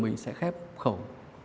mình sẽ khép khẩu